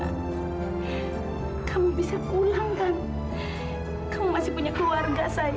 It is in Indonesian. aku tahu kalau dia penuh memperkuasa sekretarisnya sendiri